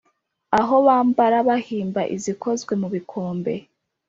aho bambara bahimba izikozwe mu bikombe